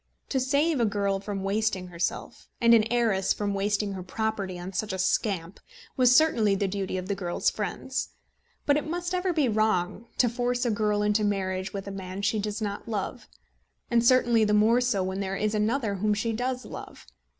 To save a girl from wasting herself, and an heiress from wasting her property on such a scamp, was certainly the duty of the girl's friends. But it must ever be wrong to force a girl into a marriage with a man she does not love, and certainly the more so when there is another whom she does love.